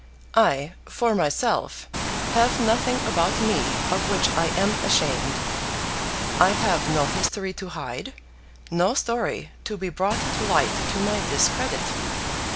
"I, for myself, have nothing about me of which I am ashamed. I have no history to hide, no story to be brought to light to my discredit.